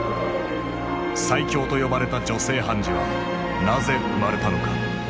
最強と呼ばれた女性判事はなぜ生まれたのか。